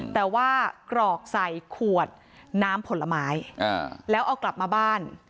แต่ว่ากรอกใส่ขวดน้ำผลไม้แล้วเอากลับมาบ้าน